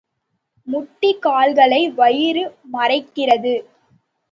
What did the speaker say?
முட்டிக் கால்களை வயிறு மறைக்கிறது.